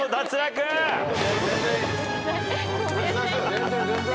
全然全然。